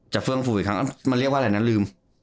เฟื่องฟูอีกครั้งมันเรียกว่าอะไรนะลืม